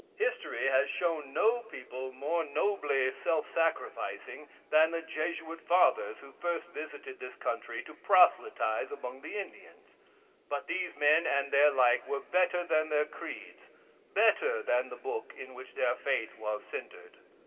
History has shown no people more nobly self sacrificing than the Jesuit Fathers who first visited this country to proselyte among the Indians. But these men and their like were better than their creeds; better than the book in which their faith was centered.